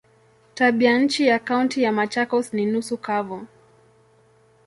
Tabianchi ya Kaunti ya Machakos ni nusu kavu.